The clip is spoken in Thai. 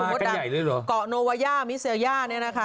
มากันใหญ่ด้วยหรือว่าก่อนโนวัย่ามิเซย่านี่นะคะ